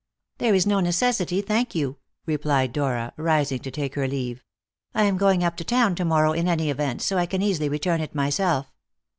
"There is no necessity, thank you," replied Dora, rising to take her leave. "I am going up to town to morrow, in any event, so I can easily return it myself.